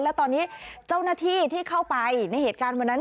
แล้วตอนนี้เจ้าหน้าที่ที่เข้าไปในเหตุการณ์วันนั้น